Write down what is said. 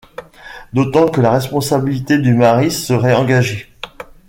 D'autant que la responsabilité du mari serait engagée.